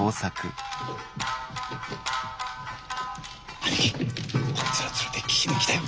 兄貴こいつら連れて聴きに来たよ。